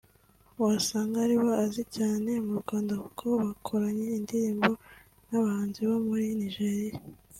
wasanga ari bo azi cyane mu Rwanda kuko bakoranye indirimbo n’abahanzi bo muri Nigeria